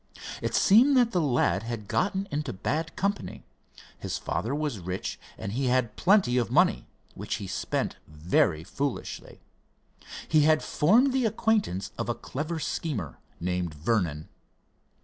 It seemed that the lad had gotten into bad company. His father was rich and he had plenty of money, which he spent very foolishly. He had formed the acquaintance of a clever schemer named Vernon.